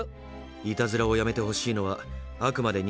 いたずらをやめてほしいのはあくまで「人間の都合」だ。